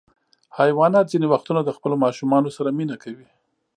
حیوانات ځینې وختونه د خپلو ماشومانو سره مینه کوي.